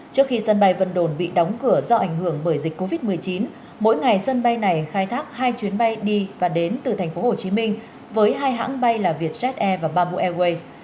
trước khi sân bay vân đồn bị đóng cửa do ảnh hưởng bởi dịch covid một mươi chín mỗi ngày sân bay này khai thác hai chuyến bay đi và đến từ tp hcm với hai hãng bay là vietjet air và bamboo airways